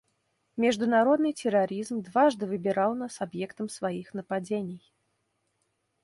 Международный терроризм дважды выбирал нас объектом своих нападений.